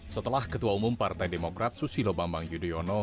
setelah ketua umum partai demokrat susilo bambang yudhoyono